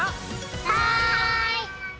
はい！